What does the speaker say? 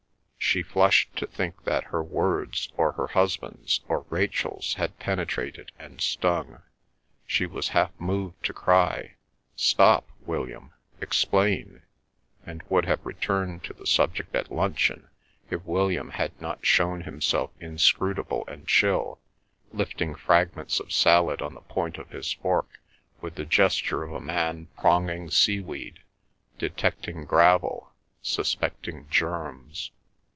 She flushed to think that her words, or her husband's, or Rachel's had penetrated and stung. She was half moved to cry, "Stop, William; explain!" and would have returned to the subject at luncheon if William had not shown himself inscrutable and chill, lifting fragments of salad on the point of his fork, with the gesture of a man pronging seaweed, detecting gravel, suspecting germs.